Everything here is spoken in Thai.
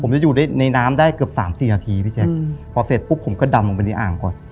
ผมจะอยู่ในน้ำได้เกือบสามสี่นาทีพี่แจ๊คพอเสร็จปุ๊บผมก็ดำลงไปในอ่างก่อน